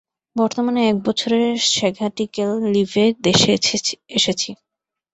বর্তমানে এক বছরের স্যাঘাটিক্যাল লীভে দেশে এসেছি।